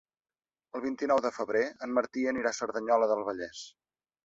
El vint-i-nou de febrer en Martí anirà a Cerdanyola del Vallès.